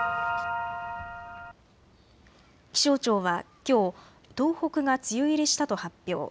気象庁はきょう東北が梅雨入りしたと発表。